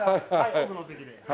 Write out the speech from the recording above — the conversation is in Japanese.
奥の席で。